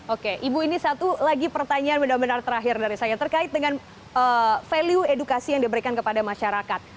oke ibu ini satu lagi pertanyaan benar benar terakhir dari saya terkait dengan value edukasi yang diberikan kepada masyarakat